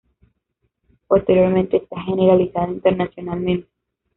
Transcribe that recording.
Posteriormente se ha generalizado internacionalmente.